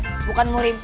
eh bukan murim